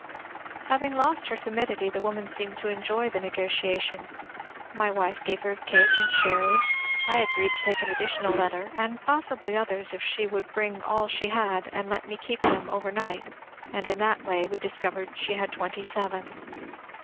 Having lost her timidity, the woman seemed to enjoy the negotiation. My wife gave her cake and sherry. I agreed to take an additional letter, and possibly others, if she would bring all she had and let me keep them over night, and in that way we discovered she had twenty seven.